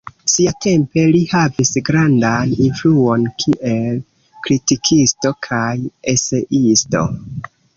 Siatempe li havis grandan influon kiel kritikisto kaj eseisto.